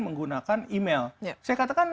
menggunakan email saya katakan